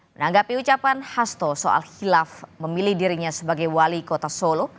menanggapi ucapan hasto soal hilaf memilih dirinya sebagai wali kota solo